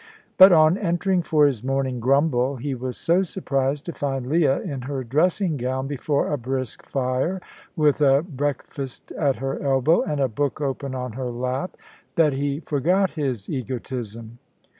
But on entering for his morning grumble, he was so surprised to find Leah in her dressing gown before a brisk fire, with a breakfast at her elbow and a book open on her lap, that he forgot his egotism.